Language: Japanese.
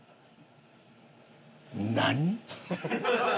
何？